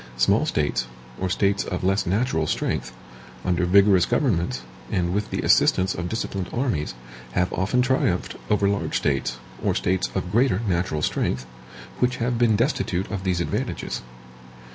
Small states, or states of less natural strength, under vigorous governments, and with the assistance of disciplined armies, have often triumphed over large states, or states of greater natural strength, which have been destitute of these advantages.